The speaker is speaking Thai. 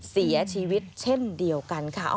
เสียชีวิตเช่นเดียวกันค่ะ